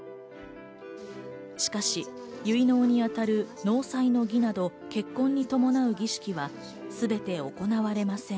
しかし結納に当たる納采の儀など、結婚に伴う儀式はすべて行われません。